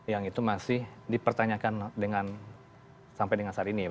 yang itu masih dipertanyakan dengan sampai dengan saat ini ya